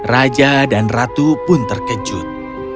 raja dan ratu pun terkejut